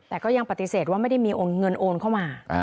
แต่ก็ยังปฏิเสธว่าไม่ได้มีเงินโอนเข้ามา